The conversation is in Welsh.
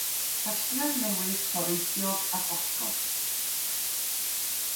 Casgliad newydd toreithiog a gwallgof.